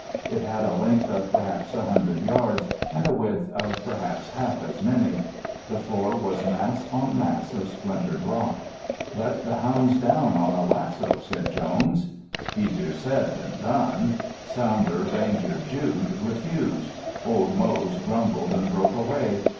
It had a length of perhaps a hundred yards, and a width of perhaps half as many. The floor was mass on mass of splintered rock. "Let the hounds down on a lasso," said Jones. Easier said than done! Sounder, Ranger, Jude refused. Old Moze grumbled and broke away.